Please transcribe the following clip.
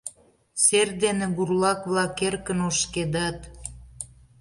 Сер дене бурлак-влак эркын ошкедат.